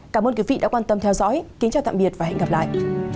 cảm ơn quý vị đã quan tâm theo dõi kính chào tạm biệt và hẹn gặp lại